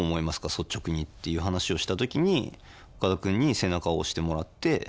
率直に」っていう話をした時に岡田君に背中を押してもらって。